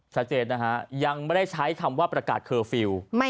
ชัดเจนนะฮะยังไม่ได้ใช้คำว่าประกาศเคอร์ฟิลล์